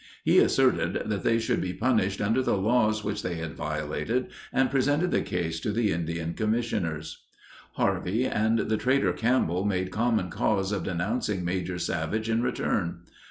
He asserted that they should be punished under the laws which they had violated and presented the case to the Indian Commissioners. Harvey and the trader Campbell made common cause of denouncing Major Savage in return.